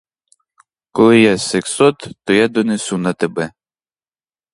Коли я — сексот, то я донесу на тебе.